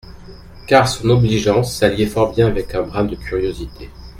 Car son obligeance s'alliait fort bien avec un brin de curiosité.